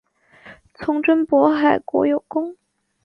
从征渤海国有功。